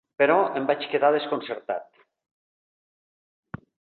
Però em vaig quedar desconcertat.